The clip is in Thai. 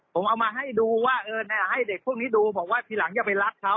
ผมเอามาให้ดูว่าให้เด็กพวกนี้ดูบอกว่าทีหลังอย่าไปรักเขา